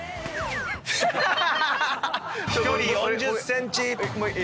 飛距離４０ｃｍ。